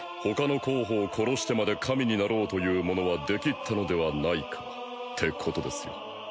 他の候補を殺してまで神になろうという者は出きったのではないかってことですよ